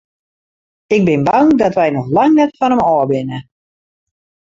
Ik bin bang dat wy noch lang net fan him ôf binne.